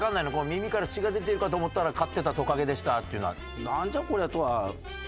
「耳から血が出てるかと思ったら飼ってたトカゲでした」っていうのは。